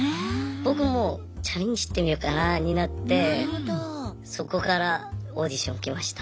僕もチャレンジしてみようかなになってそこからオーディション受けました。